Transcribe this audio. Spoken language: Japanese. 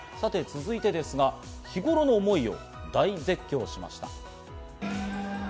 続いてですが、日頃の思いを大絶叫しました。